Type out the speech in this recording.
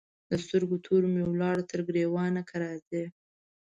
د سترګو تور مي ولاړل تر ګرېوانه که راځې